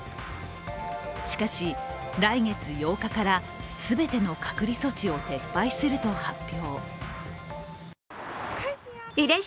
しかし、来月８日から全ての隔離措置を撤廃すると発表。